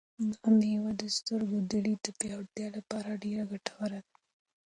دا مېوه د سترګو د لید د پیاوړتیا لپاره ډېره ګټوره ده.